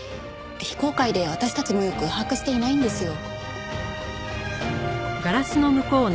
非公開で私たちもよく把握していないんですよ。